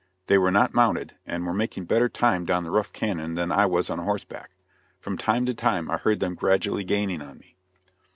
They were not mounted, and were making better time down the rough canõn than I was on horseback. From time to time I heard them gradually gaining on me.